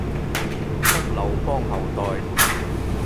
得劉邦後代